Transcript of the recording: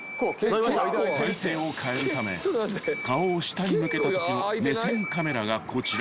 ［体勢を変えるため顔を下に向けたときの目線カメラがこちら］